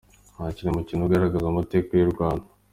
Hakinwe umukino ugaragaza amateka y'u Rwanda.